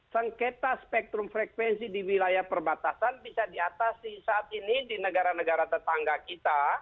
sengketa spektrum frekuensi di wilayah perbatasan bisa diatasi saat ini di negara negara tetangga kita